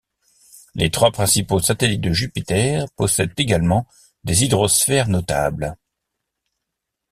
Les trois principaux satellites de Jupiter possèdent également des hydrosphères notables.